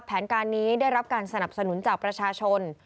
แผนการนี้ได้รับการสนับสนุนจากประชาชน